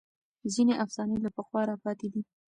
ځینې افسانې له پخوا راپاتې دي.